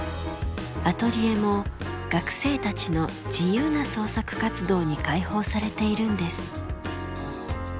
アトリエも学生たちの自由な創作活動に開放されているんです。